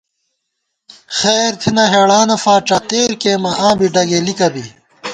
خیر تھنہ ہېڑانہ فاڄا تېر کېئیمہ آں بی ڈگېلِکہ بی